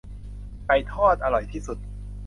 ไก่ทอดอร่อยที่สุด